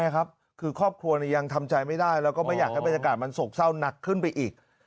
คือครอบครัวยังทำใจไม่ได้แล้วก็ไม่อยากให้บรรยากาศมันโศกเศร้าหนักขึ้นไปอีก